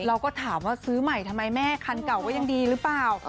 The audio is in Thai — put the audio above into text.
เราก็ถามว่าซื้อใหม่ทำไมแม่คันเก่าก็ยังดีหรือเปล่า